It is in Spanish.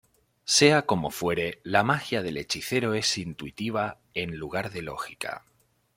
Sea como fuere, la magia del hechicero es intuitiva en lugar de lógica.